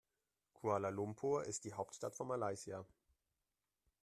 Kuala Lumpur ist die Hauptstadt von Malaysia.